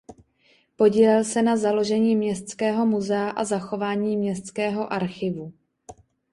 Podílel se na založení městského muzea a zachování městského archivu.